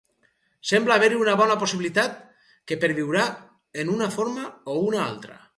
Sembla haver-hi una bona possibilitat que perviurà en una forma o una altra.